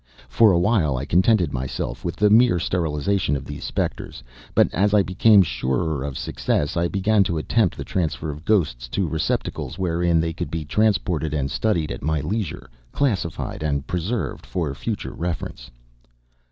For a while I contented myself with the mere sterilization of these specters, but, as I became surer of success, I began to attempt the transfer of ghosts to receptacles wherein they could be transported and studied at my leisure, classified and preserved for future reference.